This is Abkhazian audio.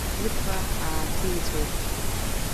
Ибӷа ааԥиҵәеит.